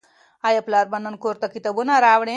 آیا پلار به نن کور ته کتابونه راوړي؟